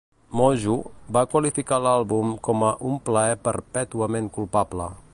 "Mojo" va qualificar l'àlbum com a "un plaer perpètuament culpable"